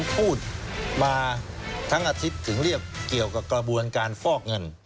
พูดมาทั้งอาทิตย์ถึงเรียกเกี่ยวกับกระบวนการฟอกเงิน